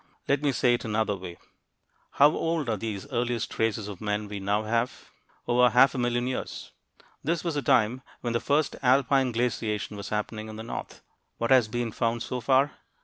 Let me say it another way. How old are the earliest traces of men we now have? Over half a million years. This was a time when the first alpine glaciation was happening in the north. What has been found so far?